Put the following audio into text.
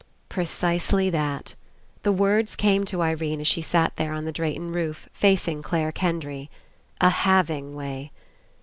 Precisely that ! The words came to Irene as she sat there on the Drayton roof, facing Clare Kendry. "A having way."